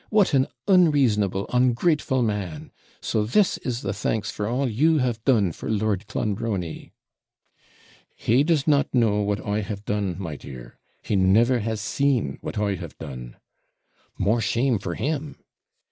What an unreasonable, ungrateful man! So, this is the thanks for all you have done for Lord Clonbrony!' 'He does not know what I have done, my dear. He never has seen what I have done.' 'More shame for him!'